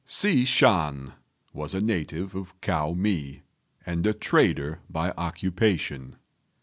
Hsi Shan was a native of Kao mi, and a trader by occupation.